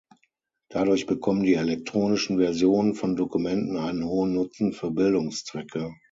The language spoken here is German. Dadurch bekommen die elektronischen Versionen von Dokumenten einen hohen Nutzen für Bildungszwecke.